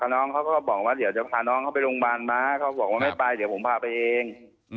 น้องเขาก็บอกว่าเดี๋ยวจะพาน้องเขาไปโรงพยาบาลม้าเขาบอกว่าไม่ไปเดี๋ยวผมพาไปเอง